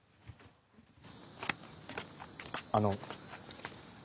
あの。